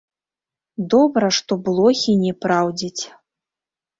Добра, што блохі не праўдзяць.